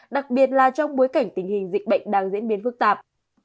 đặc biệt là trong bối cảnh tình hình dịch bệnh đang diễn biến phức tạp